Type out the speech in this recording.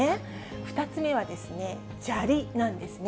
２つ目は砂利なんですね。